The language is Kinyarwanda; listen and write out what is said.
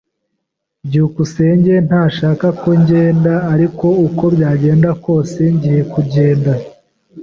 byukusenge ntashaka ko ngenda, ariko uko byagenda kose ngiye kugenda.